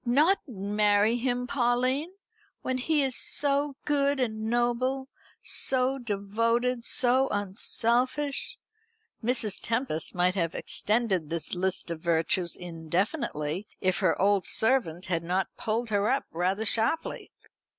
"Not marry him, Pauline, when he is so good and noble, so devoted, so unselfish!" Mrs. Tempest might have extended this list of virtues indefinitely, if her old servant had not pulled her up rather sharply.